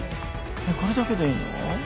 これだけでいいの？